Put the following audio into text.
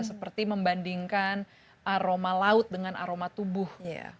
seperti membandingkan aroma laut dengan aroma tubuh